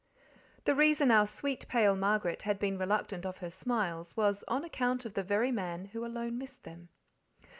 The reason our sweet pale Margaret had been reluctant of her smiles was on account of the very man who alone missed them.